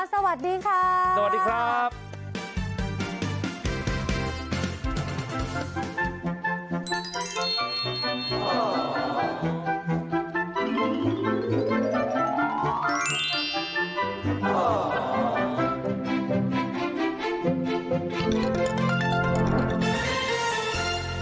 สวัสดีครับสวัสดีครับสวัสดีครับ